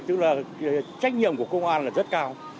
tức là trách nhiệm của công an là rất cao